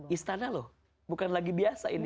istana loh bukan lagi biasa ini